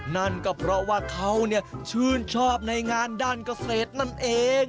นั่นก็เพราะว่าเขาชื่นชอบในงานด้านเกษตรนั่นเอง